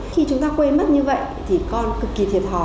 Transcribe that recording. khi chúng ta quên mất như vậy thì con cực kỳ thiệt hò